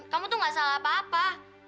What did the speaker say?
kamu tuh gak salah apa apa